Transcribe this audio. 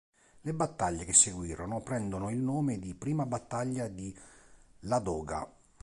Le battaglie che seguirono prendono il nome di Prima battaglia di Ladoga.